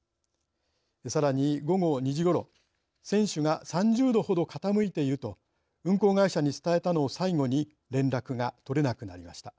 更に午後２時ごろ「船首が３０度ほど傾いている」と運航会社に伝えたのを最後に連絡が取れなくなりました。